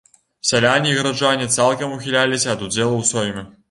Сяляне і гараджане цалкам ухіляліся ад удзелу ў сойме.